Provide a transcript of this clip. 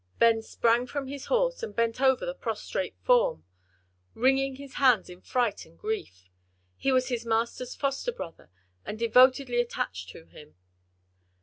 Ben sprang from his horse and bent over the prostrate form, wringing his hands in fright and grief. He was his master's foster brother and devotedly attached to him.